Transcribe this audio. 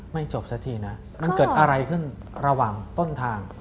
ไม่จบสักทีนะมันเกิดอะไรขึ้นระหว่างต้นทาง